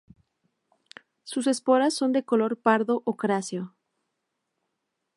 Sus esporas son de color pardo-ocráceo.